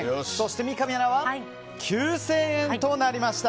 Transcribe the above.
三上アナは９０００円となりました。